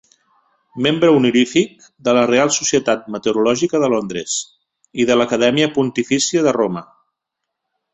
Membre honorífic de la Real Societat meteorològica de Londres i de l'Acadèmia Pontifícia de Roma.